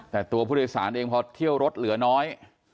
แต่ตัวบริษัทเองพอเที่ยวรถเหลือน้อย